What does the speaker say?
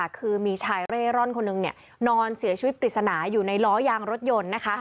คือมีชายเร่ร่อนคนหนึ่งนอนเสียชีวิตปริศนาอยู่ในล้อยางรถยนต์